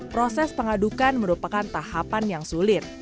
proses pengadukan merupakan tahapan yang sulit